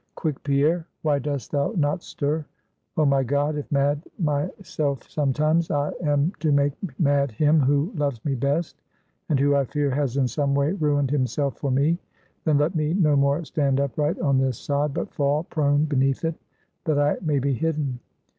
Quick, Pierre, why dost thou not stir? Oh, my God! if mad myself sometimes, I am to make mad him who loves me best, and who, I fear, has in some way ruined himself for me; then, let me no more stand upright on this sod, but fall prone beneath it, that I may be hidden!